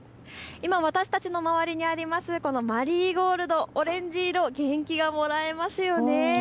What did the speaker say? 今、私たちの周りにあるマリーゴールドがオレンジ色元気がもらえますよね。